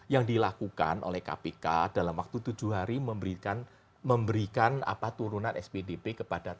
yang dilakukan oleh kpk dalam waktu tujuh hari memberikan memberikan turunan spdp kepada